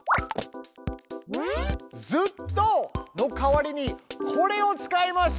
「ずっと」の代わりにこれを使います。